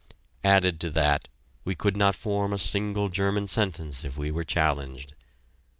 Added to that, we could not form a single German sentence if we were challenged.